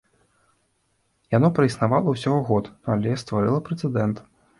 Яно праіснавала ўсяго год, але стварыла прэцэдэнт.